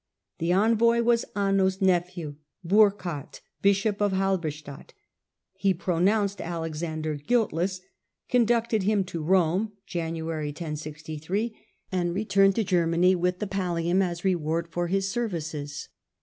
The envoy was Anno's nephew, Burchard, bishop of Halberstadt. He pronounced Alexander guiltless, conducted him to Rome (January, 1063), and returned to Germany with the pallium as a reward of his services.